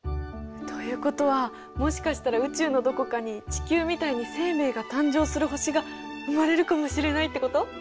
ということはもしかしたら宇宙のどこかに地球みたいに生命が誕生する星が生まれるかもしれないってこと？